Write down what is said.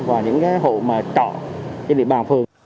và những hộ mà trọ trên địa bàn phường